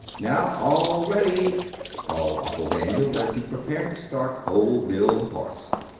"Now, all ready!" called Uncle Daniel, as he prepared to start old Bill, the horse.